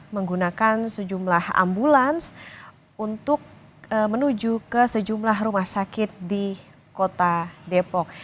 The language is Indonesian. menggunakan sejumlah ambulans untuk menuju ke sejumlah rumah sakit di kota depok